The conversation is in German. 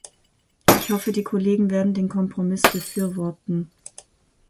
Ich hoffe, die Kollegen werden den Kompromiss befürworten.